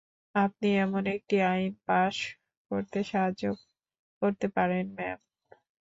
আপনি এমন একটি আইন পাস করতে সাহায্য করতে পারেন, ম্যাম।